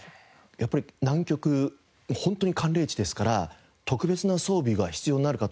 やっぱり南極ホントに寒冷地ですから特別な装備が必要になるかと思うんですが。